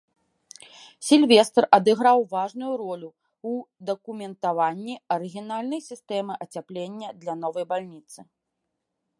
Сільвестр адыграў важную ролю ў дакументаванні арыгінальнай сістэмы ацяплення для новай бальніцы.